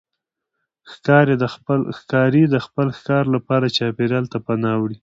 ښکاري د خپل ښکار لپاره چاپېریال ته پناه وړي.